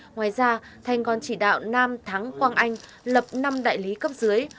ngoài ra thành còn chỉ đạo nam thắng quang anh lập năm đại lý cấp dưới